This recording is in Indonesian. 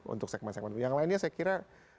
untuk segmen segmen yang lainnya saya kira